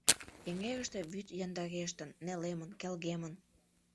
Эҥерыште вӱд яндарештын, нелемын, келгемын.